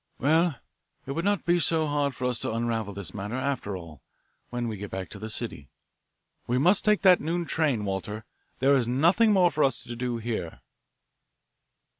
"Well, it will not be so hard for us to unravel this matter, after all, when we get back to the city. We must make that noon train, Walter. There is nothing more for us to do here."